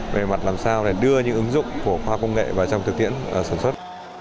về mặt làm sao để đưa những ứng dụng của khoa công nghệ vào trong thực tiễn sản xuất